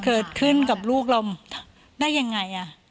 เกิดขึ้นกับลูกเราได้ยังไง